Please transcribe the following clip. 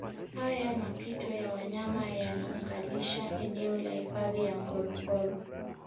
Haya mapito ya wanyama yanaunganisha eneo la hifadhi ya Ngorongoro